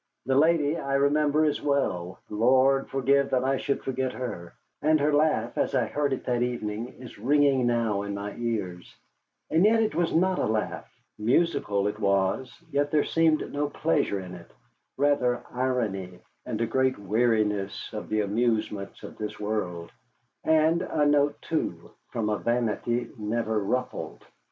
The lady I remember as well Lord forbid that I should forget her. And her laugh as I heard it that evening is ringing now in my ears. And yet it was not a laugh. Musical it was, yet there seemed no pleasure in it: rather irony, and a great weariness of the amusements of this world: and a note, too, from a vanity never ruffled.